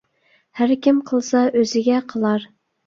ھەركىم قىلسا ئۆزىگە قىلار.